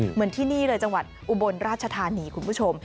เหมือนที่นี่เลยจังหวัดอุบลราชธานีคุณผู้ชม